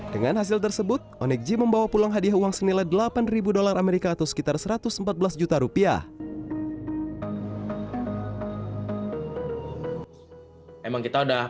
dengan hasil tersebut onik g membawa pulang hadiah uang senilai delapan ribu dolar amerika atau sekitar satu ratus empat belas juta rupiah